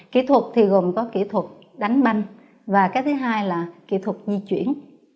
kỹ thuật thì gồm có kỹ thuật đánh banh và cái thứ hai là kỹ thuật di chuyển